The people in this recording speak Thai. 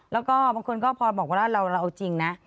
แล้วก็บางคนก็พอบอกว่าเราเอาจริงนะ